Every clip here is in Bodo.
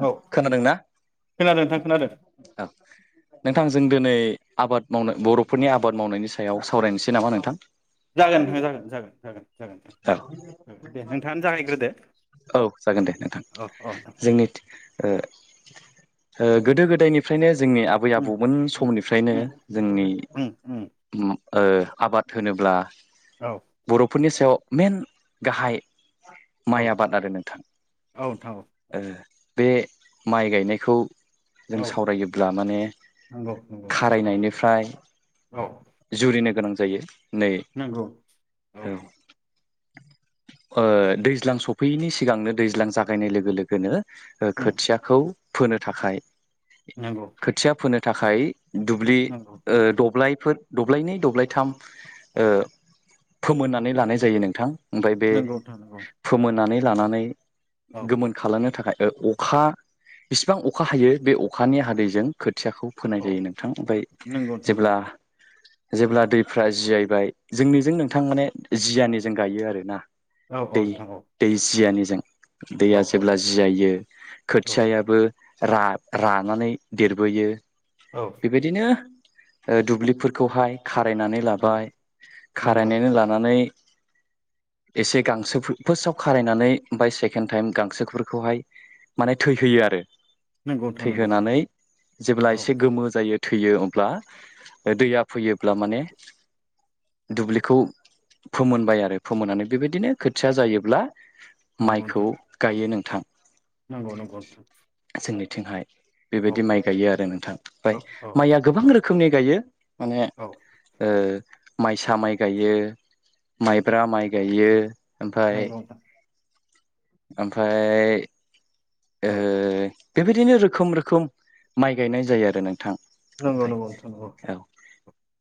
औ खोनादोंना खोनादों नोंथां खोनादों औ औ नोंथां जों दिनै आबाद औ मावनाय बर'फोरनि आबाद आबाद मावनायनि सायाव सावरायनोसै नामा नोंथां जागोन नोंथां जगोन जागोन जागोन औ जागोन दे नोंथाङानो जागायग्रोदो औ जागोन दे नोंथां औ नोंथां औ जोंनि ओ ओ गोदो गोदायनिफ्रायनो जोंनि आबै उम आबौमोन उम समनिफ्रायनो उम जोंनि उम उम ओ आबाद होनोब्ला औ बर'फोरनि सायाव मेन गाहाय औ माइ आबाद आरो नोंथां औ नोंथां औ ओ बे माइ गायनायखौ जों औ सावरायोब्ला माने नंगौ नंगौ खारायनायनिफ्राय औ जुरिनो गोनां जायो। जायो नंगौ औ ओ दैज्लां सफैयैनि सिगांनो दैज्लां जागायनाय लोगो लोगोनो ओ उम खोथियाखौ फोनो थाखाय नंगौ खोथिया फोनो थाखाय दुब्लि नंगौ ओ दब्लाय बेफोर दब्लायनै दब्लायथाम ओ फोमोननानै लानाय जायो नोंथां। ओमफ्राय बे नंगौ नोंथां नंगौ फोमोननानै। लानानै औ गोमोन खालामनो थाखाय। ओ अखा बिसिबां अखा हायो बे अखानि हादैजों खो खोथियाखौ फोनाय औ जायो नोंथां ओमफ्राय नंगौ नोंथां जेब्ला नंगौ जेब्ला दैफ्रा जियायबाय जोंनिजों नोंथां माने जियानिजों गायो आरो। ना। औ औ दै नोंथां औ दै जियानिजों औ दैया जेब्ला जियायो औ औ खोथियायाबो। रा रानानै देरबोयो। औ बेबायदिनो। ओ दुब्लिफोरखौहाय। खारायनानै लाबाय नंगौ नंगौ खारायनानै लानानै। एसे गांसो फार्स्टआव खारायनानै ओमफ्राय सेकेन्ड टाइम गांसोफोरखौहाय माने थैहोयो आरो नंगौ नोंथां नंगौ थैहोनानै जेब्ला औ एसे गोमो जायो थैयो अब्ला ओ दैया फैयोब्ला माने दुब्लिखौ फोमोनबाय आरो फोमोनानै बेबायदिनो खोथिया जायोब्ला नंगौ माइखौ नोंथां गायो नों थां नंगौ नंगौ नोंथां। थिंहाय औ बेबायदि माइ गायो आरो नोंथां ओमफ्राय औ औ माइया गोबां रोखोमनि गायो माने औ ओ माइसा माइ गायो माइ ब्रा माइ गायो ओमफाय नंगौ नोंथां ओमफ्राय औ ओ बेबायदिनो रोखोम रोखोम माइ गायनाय जायो आरो नोंथां। नोंंगौ ओमफ्राय नंगौ नोंथां नंगौ। औ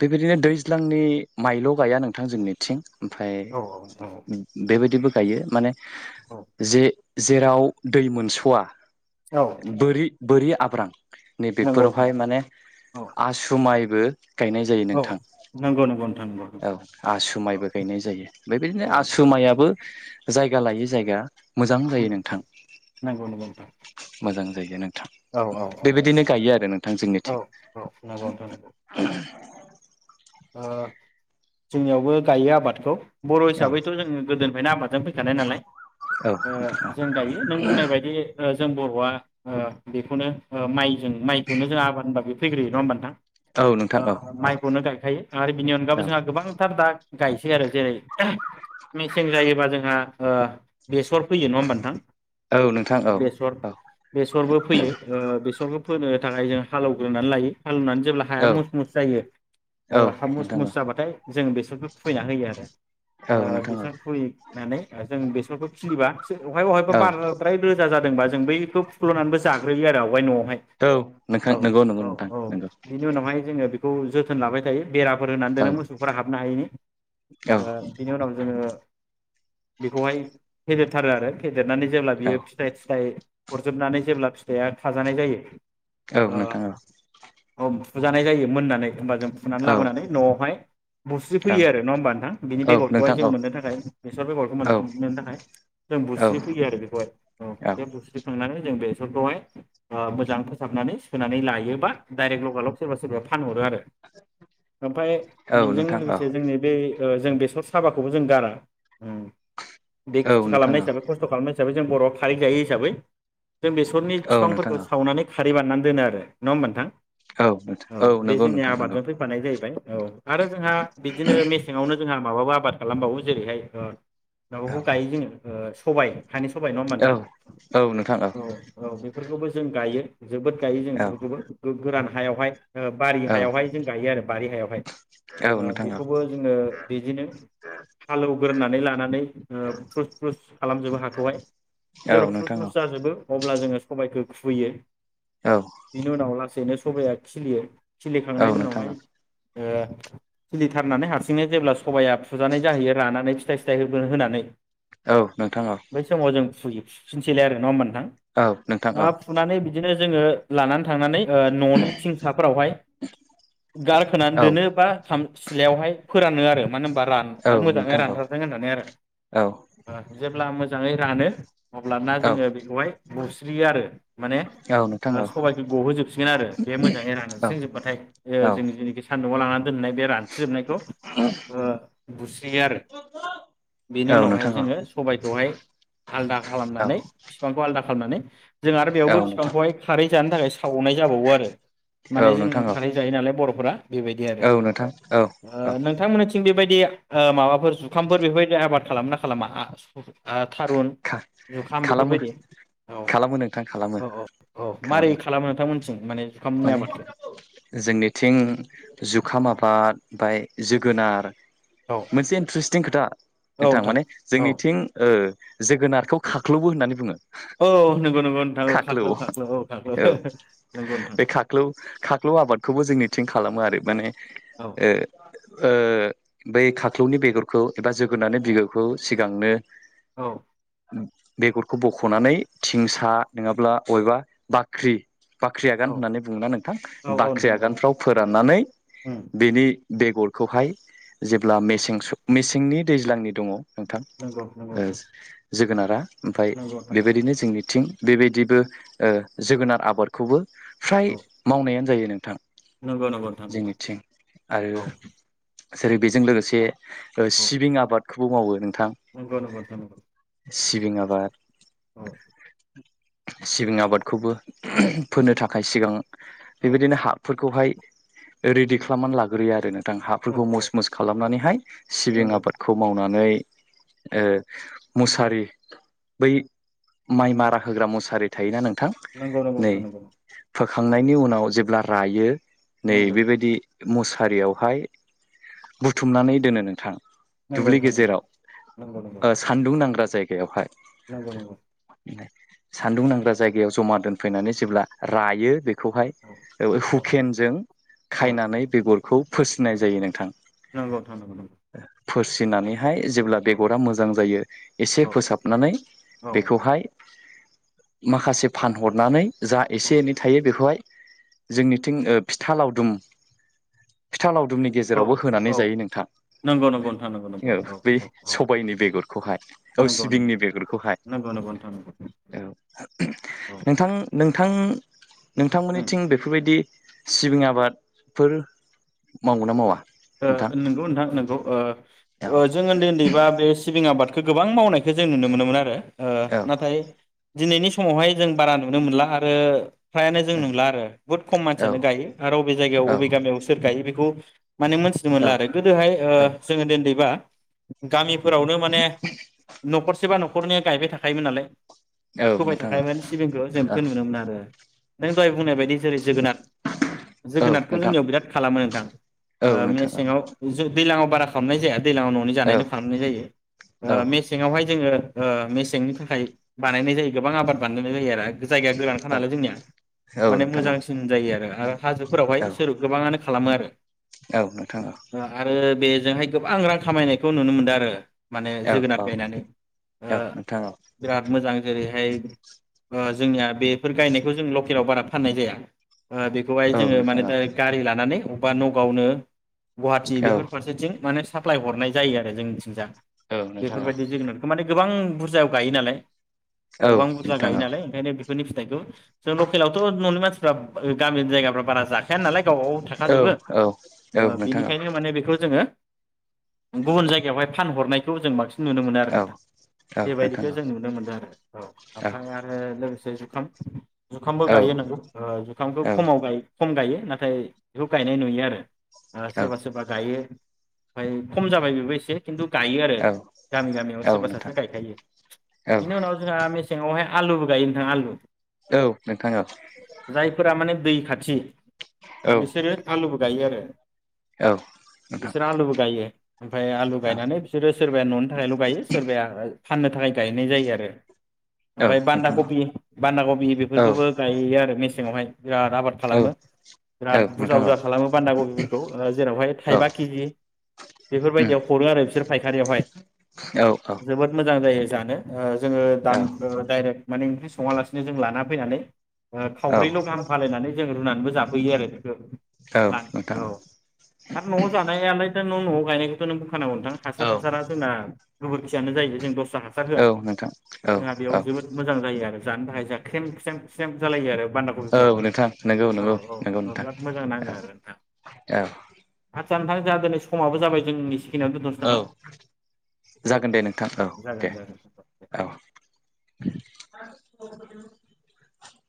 बेबायदिनो दैज्लांनि माइल' गाया नोंथां जोंनिथिं ओमफाय औ औ नोंथां बेबायदिबो गायो माने औ जे जेराव दै मोनस'वा औ बोरि बोरि आब्रां नंगौ नोंथां नैबेफोरावहाय माने औ आसु माइ बो गायनाय जायो औ नोंथां नंगौ नंगौ नोंथां नंगौ औ औ आसुमायबो। गायनाय जायो औ बेबायदिनो नोंथां आसु मायाबो जायगा लायो जायगा मोजां जायो उम नोंथां नंगौ नंगौ नोंथां मोजां बेखायनो औ औ औ बेबायदिनो गायो आरो नोंथां औ जोंनिथिं। औ नंगौ नोंथां नंगौ ओ जोंनियावबो गायो आबादखौ बर' औ हिसाबैथ' जोङो गोदोनिफ्रायनो आबादजों फैखानाय नालाय औ ओ जों गायो नों बुंनाय बायदि जों बर'आ ओ बेखौनो ओ माइ जों माइखौनो जों आबाद होनबा बेयो फैग्रोयो नङा होमबा नोंथां औ नोंथां औ ओ औ माइखौनो गाय आरो बिनि अनगाबो औ जोंहा गोबां सार दा गायसै आरो जेरै मेसें जायोबा जोंहा ओ बेसर फैयो नङा होमबा नोंथां औ नोंथां औ बेसर बेसरबो फोयो ओ बेसरबो फोनो थाखाय जों हालेवग्रोनानै लायो। हालेवनानै जेब्ला हाया औ मस मस जायो ओ औ हा मुस नोंथां औ मुस जाबाथाय जों बेसरखौ खुबैना होयो आरो औ ओ नोंथां औ बेसर खुबैनानै जों बेसरखौ खिलिबा अहाय बहायबा औ बारद्राय रोजा जादों जोंबा जों बैखौ फुख्ल'नानैबो जाग्रोयो आरो आवगाय न'आवहाय औ नोंथां औ नंगौ नंगौ औ नोंथां औ नंगौ बिनि उनावहाय जोङो औ जो जोथोन लाबाय थायो। बेराफोर होनानै दोनो औ मोसौफोरा हाबनो हायैनि औ बिनि ओ उनाव जोङो बेखौहाय फेदेरथारो आरो फेदेरनानै जेब्ला औ बियो फिथाइ थिथाइ हरजोबनानै जेब्ला फिथाइआ खाजानाय जायो औ नोंथां औ औ फुजानाय जायो मोननानै होबा जों फुनानै औ लाबोनानै न'आवहाय बुस्रि औ फैयो आरो नङ होमबा नोंथां बेनि औ बेगरखौहाय नोंथां जों औ मोननो थाखाय बेसर बेगरखौ औ मोनिननो थाखाय जों बुस्रि फैयो आरो बेखौहाय औ बे बुस्रिखांनानै जों बेसरखौहाय ओ मोजां फोसाबनानै सोनानै लायोबा डाइरेक्ट लग लग सोरबा सोरबा फानहरो आरो ओमफ्राय औ बेजों नोंथां औ नोंथां औ लोगोसे जोंनि बे ओ बेसर साबाखौबो जों गारा। बेखि नोंथां औ खालामनाय हिबै खसत खालामनाय जों बर'आ खारै जायो हिसाबै जों बेसरनि बिफांफोरखौ सावनानै खारै बाननानै दोनो आरो नङा होमबा नोंथां? औ नोथां औ बे नंगौ जोंनि नोंथां नोंगौ आबादजों फैफानाय जाहैबाय जों बिनो मसेनो [unintelligible] जोंहा माबाबो आबाद खालामबावो जेरैहाय औ नआवबो गायो जोङो ओ सबाय हानि सबायाइ नङा होमबा औ नोंथां औ नोंथां औ औ बे बेफोरखौबो जों गायो। जोबोद गायो जों औ बेफोरखौबो गो-गोरान हायावहाय ओ बारि औ हायावहाय हायो आरो बारि हायावहाय। औ ओ नोंथां औ बेखौबो जोङो बिदिनो हालोवग्रोनानै लानानै ओ फ्रुस फ्रुस खालामजोबो हाखौहाय औ जेब्ला फ्रुस नोंथां औ फ्रुस जाजोबो अब्ला जोङो सबायखौ खुबैयो। औ बेनि उनाव लासैनो सबाया खिलियो। औ थांनायनि नोंथां उनावहाय औ ओ खिलिथारनानै हारसिंनो जेब्ला सबाया फुजानाय जाहैयो रानानै फिथाइ सिथाइ होगोन होनानै। औ नोंथां औ फोयो फोफिनसैलाय आरो नङा होन नों औ नोंथां ओ औ ओ फुनानै बिदिनो जोङो लानानै थांनानै ओ न'नि थिंसाफोरावहाय गारखोनानै औ दोनो बा सिलायावहाय फोरानो आरो मानो होनबा रान औ मोजाङै नोंथां औ रानथारदों होननानै आरो औ ओ जेब्ला मोजाङै रानो अल्बना औ नोंथां औ जोङो बेखौहाय बुस्रियो आरो माने औ नोंथां औ सबाइख गहोजोबसिगोन आरो बे मोजाङै रानसोब बाथाय औ जोंनि जिनिखि सान न लांनानै दोननाय बे रान जोबनायखौ ओ बुस्रियो आरो बेनि औ नोंथां औ उनावहाय नोंथां जोङो औ सबायखौहाय आलदा खालामनानै बिफांखौ आलदा खालामनानै जों आरो बेयावबो औ बिफांखौहाय खारै जानो थाखाय सावनाय जाबावो आरो माने जों नोंथां खारै जायो नालाय बर'फोरा बेबायदि आरो औ ओ औ नोंथांमोननिथिं बेबायदि बे ओ माबाफोर जुखामफोर बेफोरबायदि आबाद खालामोना खालामा ओ थारुन जुखाम खालामो बेफोरबायदि औ खालामो नोंथां खालामो औ औ औ मारै खालामो नोंथांमोन जों माने जुखामनि माने आबादखो जोंनिथिं जुखाम आबाद बाय जोगोनार औ मोनसे इन्टारेस्टिं खोथा नोंथां माने जोंनिथिं ओ जोगोनारखौ खाख्लोबो होननानै बुङो। औ नंगौ नंगौ नोंथां औ खाख्लौ खाख्लौ औ खाख्लौ नंगौ नोंथां। बे खाख्लौ खाख्लौ आबादखौबो जोंनिथिं खालामो आरो माने औ ओ ओ बै खाख्लौनि बेगरखौ एबा जोगोननि बिगुरखौ सिगांनो औ। बेगरखौ बख'नानै थिंसा नङाब्ला बबेबा बाख्रि बा गान औ होननानै बुङोना नोंथां औ बाख्रि नोंथां औ आगानफ्राव फोराननानै उम बिनि बेगरखौहाय जेब्ला औ मेसेंस मिस नि दैज्लांनि दङ। नोंथां नंगौ नंगौ ओ नोंथां जोगोनारा‌ ओमफ्राय नंगौ नोंथां बेबायदिनो जोंनिथिं बेबायदिबो ओ जोगोनार आबादखौबो फ्राय औ मावनायानो जायो नों नोंथां। नंगौ नंगौ नोंथां नंगौ जोंनिथिं आरो औ। जेरै बेजों लोगोसे। औ सिबिं आबाद खौबो मावो नों थां नंगौ नंगौ नोंथां नंगौ सिबिं आबाद औ सिबिं आबादखौबो फोनो थाखाय सिगां औ बेबायदिनो हा खौहाय रेडि खालामनानै लाग्रोयो आरो नों गोथां औ हाफोरखौ औ मुस -मुस खालामनानैहाय नंगौ सिबिं नंगौ आबादखौ मावनानै ओ मुसारि बै माइ मारा होग्रा मुसारि थायोना नों नंगौ नंगौ नोंथां नंगौ फोखांनायनि उनाव जेब्ला रायो नै नंगौ बेबायदि मुसारियावहाय बुथुमनानै दोनो नोंथां नंगौ दुब्लि नोंथां नंगौ गेजेराव नंगौ ओ सान्दुं नांग्रा जायगा बेयावहाय नंगौ नंगौ सान्दुं नांग्रा जायगायाव जमा दोनफैनानै जेब्ला रायो बे खौहाय औ औ हुकेनजों औ खायनानै बेगरखौ फोसिनाय जायो नोंथां नंगौ थांनांगौ नंगौ फोरसिनानै बे जेब्ला औ बेगरा मोजां जायो एसे औ फोसाबनानै बेखौहाय माखासे फानहरनानै जो औ एसे एनै थायो बेखौहाय जोंनिथिं ओ फिथा लावदुम फिथा लावदुम रुमनि औ गेजेराव होनानै औ जायो नोंथां नंगौ नंगौ नोंथां नंगौ नंगौ औ बै औ औ सबायनि बेरखौहाय औ नंगौ नंगौ सिबिंनि बेगरखौहाय नंगौ नंगौ नोंथां नंगौ औ औ नोंथां ओ उम नोंथांमोननिथिं बेफोरबायदि सिबिं आबादफोर मावो ना मावा ओ नोंथां नोंगौ नोंथां नोंगौ औ ओ जों उन्दै उन्दैबा बे सिबिं आबाद खौ गोबां मावनायखौ जों नुनो मोनोमोन आरो। ओ औ नाथाय दिनैनि समावहाय जों बारा नुनो मोनला आरो। फ्रायानो जों नुला आरो बुहुत खम औ मानसियानो गायो आरो बबे जायगायाव अबे गामियाव सोर गायो बे गु माने मोनथिनो औ मोनला आरो गोदोहाय ओ जोङो उन्दैबा गामि फोरावनो माने न'खरसेबा नख न'खरनिया गायबाय थाखायोमोन नालाय। औ फोबाय नोंथां औ थाखायोमोन सिबिंखौ जों बेखौ नुनो मोन आरो नों दहाय बुंनाय बायदि जेरै जोगोनाद औ जोगोनादखौ नोंथां जोंनियाव बिराद खालामो नोंथां। औ ओ नोंथां औ मेसेंङाव दैलाङाव बारा खामनाय जाया। दैलांङाव न'नि औ जानायल' खामनाय जायो औ ओ मेसेंङावहाय जोङो। ओ मेसेंनि थाखाय बानायनाय जायो गोबां आबाद बानाय जायो आरो जायगाया गोरानखा नालाय जोंनिया औ माने नोंथां औ नोंथां मोजांसिन जायो आरो। औ हाजोफोरावहाय सोर गोबाङानो खालामो आरो औ नोंथां औ ओ आरो बेजोंहाय गोबां रां खामायनायखौ नुनो मोनदों आरो। माने औ नोंथां औ नोंथां औ नोंथां औ नोंथां औ नोंथां औ औ जोगोनाद गायनानै ओ औ नोंथां औ नोंथां औ नोंथां औ नोंथां औ बिराद मोजां जेरै ओ जोंनिया बेफोर गायनायखौ जों लकेलाव बारा फाननाय जाया। ओ बेखौहाय जोङो माने दायरेख गारि लानानै अबान बावनो गुवाहाटी बेफोर फारसेथिं माने साप्लााय हरनाय जायो आरो जोंनिथिंजा बेफोरबायदि जोगोनारखौ माने गोबां बुरजायाव गायो नालाय गोबां बुरजा गायो नालाय ओंखायनो बेफोरनि फिथाइखौ जों लकेलावथ' न'नि मानसिफ्रा गामिनि जायगा बा जाखाया नालाय। गावबागाव थाखाजोबो। ओ बिनिखायनो माने बेखौ जों ङो गुबुन जायगायावहाय फानहरनायखौ जों बांसि नुनो मोनो आरो नोंथां बेबायदिखौ जों नुनो मोनदों आरो औ ओमफ्राय आरो लोगोसे [unintelligible] जुखामबो गायो नोंगौ जुखामखौ खमाव गायो। खम गायो नाथाय बेखौ गायनाय नुयो आरो ओ सोरबासोबा गायो। ओमफाय खम जाबाय बेबो एसे खिन्थु गायो आरो गामि गामियाव सोरबा सासे गायखायो बिनि उनाव जोंहा सिङावहाय आलुबो गायो नोंथां आलु औ नोंथाङा [unintelligible] जायफोरा माने दै खाथि बेसेोर आलु बथ [unintelligible] गायानो [unintelligible] बिस्रुबो गायोयो [unintelligible] ओमफ्राय आलु गायनानै बिसोरो सोरबाया न'नि थाखायल' गायो सोरबाया [inaudible] फाननो थाखाय गायनाय जायो आरो ओमफ्राय बान्दा कबि बान्दा कबि बेफोरखौबो गयो आरो मेसेंावहाय [inaudible] बिराद आबाद खालामो औ बिराद बुरजा नोंथां औ बुरजा खालामो बान्दा गगिफोरखौ ओ जेरावहाय औ थाइबा केजि उम बेफोरबायदियाव हरो आरो बिसोर फायखारियावहाय औ जोबोद मोजां जायो। जानो ओ जोङो दान औ दडाइरेक्ट माने ओंख्रि सङालासिनो जों लाना फैनानै औ खावब्रैल' गाहाम फाायनानै [unintelligible] जों रुनानैबो जाफैयो आरो बेखौ औ ला नोंथां औ आरो न'आव जानायालाय दा न न गायनायखौथनो खानांगौथां हासार औ हासारा जोंना [unintelligible] गोैखियानो जायो जों द सा हासार होआ नोंथां औ जोंहा बेयाव जोबोद मोजां जायो आरो जानो थाखाय जों ख्रेम ख्रेम सेब जालायो आरो [unintelligible] औ नोंथां नंगौ औ नंगौ औ नंगौ औ नोंथां बिराद मोजां नाङो औ [unintelligible] जा नोंथां जादोनै समाबो जाबाय जोंनिसो औ जागोन दे नोंथां औ जागोन दे जागोन दे औ [inaudible] [inaudible]